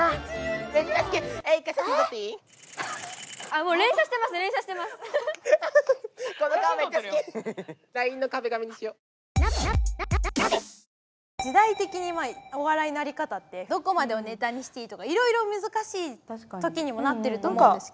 あのねこの時代的に今お笑いの在り方ってどこまでをネタにしていいとかいろいろ難しい時にもなってると思うんですけど。